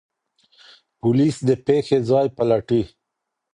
پوليس د پېښې ځای پلټي.